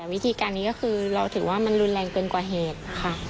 วิธีการนี้ก็คือเราถือว่ามันรุนแรงเกินกว่าเหตุค่ะ